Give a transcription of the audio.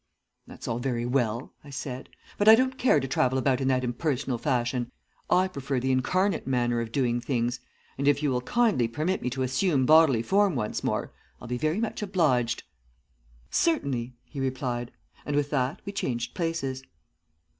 "'That's all very well,' I said; 'but I don't care to travel about in that impersonal fashion. I prefer the incarnate manner of doing things, and if you will kindly permit me to assume bodily form once more, I'll be very much obliged.' "'Certainly!' he replied, and with that we changed places.